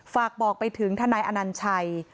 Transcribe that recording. ฝากบอกไปถึงทนายอนัญชัย